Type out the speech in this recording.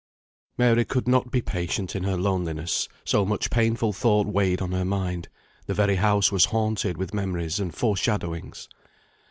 Mary could not be patient in her loneliness; so much painful thought weighed on her mind; the very house was haunted with memories and foreshadowings.